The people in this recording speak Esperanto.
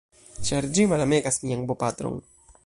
ĉar ĝi malamegas mian bopatron.